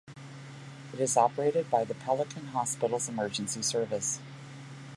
It is operated by the Pelican Hospital's Emergency Service.